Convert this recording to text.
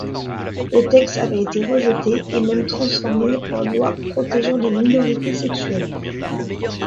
Le texte avait été rejeté, et même transformé en loi protégeant les minorités sexuelles.